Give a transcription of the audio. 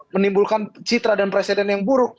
menimbulkan citra dan presiden yang buruk